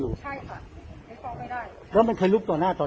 อ๋อตอนมันเริ่มติดนี้เราไม่เห็น